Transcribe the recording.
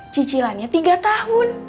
cicilannya tiga tahun